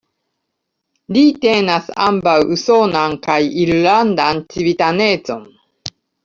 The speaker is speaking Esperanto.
Li tenas ambaŭ usonan kaj irlandan civitanecon.